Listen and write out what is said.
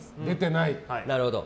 なるほど。